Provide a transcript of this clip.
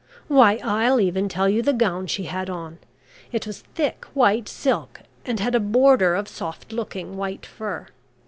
Why, I'll even tell you the gown she had on. It was thick white silk and had a border of soft looking white fur.